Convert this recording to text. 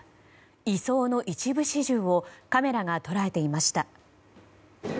移送の一部始終をカメラが捉えていました。